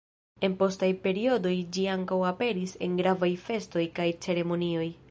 En postaj periodoj ĝi ankaŭ aperis en gravaj festoj kaj ceremonioj.